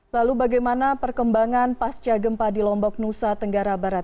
lalu bagaimana perkembangan pasca gempa di lombok nusa tenggara barat